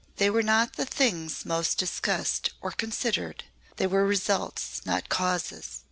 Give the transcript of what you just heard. They were not the things most discussed or considered. They were results not causes.